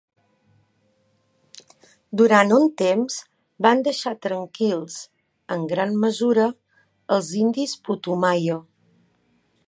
Durant un temps, van deixar tranquils, en gran mesura, els indis Putumayo.